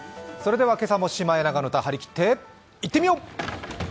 それでは今朝も「シマエナガの歌」はりきっていってみよう！